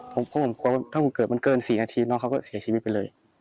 เพราะผมกลัวว่าถ้าผมเกิดมันเกิน๔นาทีน้องเขาก็เสียชีวิตไปเลย